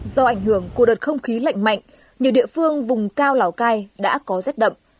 do ảnh hưởng của đợt không khí lạnh mạnh nhiều địa phương vùng cao lào cai đã có rét đậm